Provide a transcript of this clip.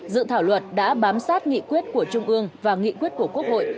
dự thảo luật đã bám sát nghị quyết của trung ương và nghị quyết của quốc hội